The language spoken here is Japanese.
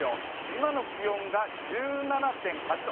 今の気温が１７．８度。